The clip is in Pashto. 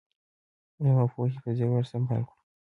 علم او پوهې په زېور سمبال کړو.